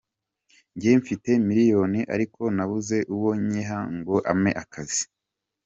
Njye mfite miliyoni ariko nabuze uwo nyiha ngo ampe akazi.